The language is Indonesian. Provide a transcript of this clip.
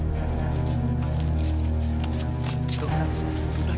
kenapa tidak mungkin tante